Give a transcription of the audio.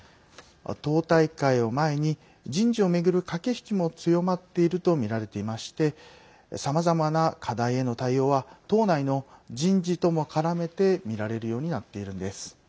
党大会を前に、人事を巡る駆け引きも強まっているとみられていましてさまざまな課題への対応は党内の人事とも絡めてみられるようになっているんです。